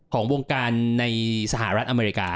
ของวงการในสหรัฐอเมริกา